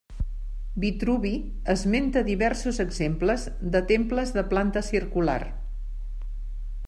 Vitruvi esmenta diversos exemples de temples de planta circular.